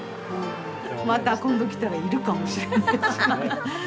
また今度来たらいるかもしれないし。